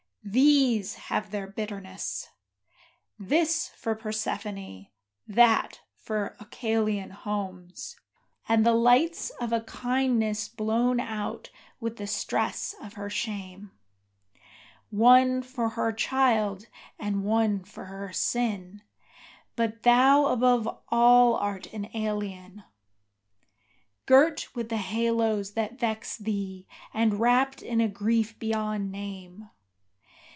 These have their bitterness. This, for Persephone, that for Oechalian Homes, and the lights of a kindness blown out with the stress of her shame: One for her child, and one for her sin; but thou above all art an alien, Girt with the halos that vex thee, and wrapt in a grief beyond name.